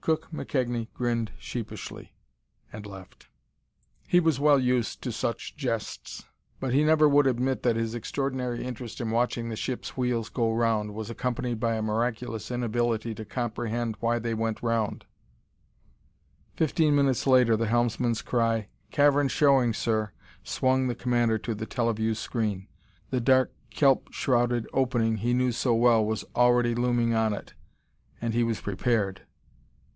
Cook McKegnie grinned sheepishly, and left. He was well used to such jests, but he never would admit that his extraordinary interest in watching the ship's wheels go round was accompanied by a miraculous inability to comprehend why they went round.... Fifteen minutes later the helmsman's cry, "Cavern showing, sir!" swung the commander to the teleview screen. The dark, kelp shrouded opening he knew so well was already looming on it. And he was prepared.